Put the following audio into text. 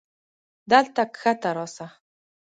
دلته کښته راسه.